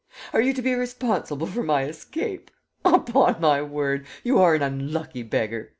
Are you to be responsible for my escape? Upon my word, you are an unlucky beggar!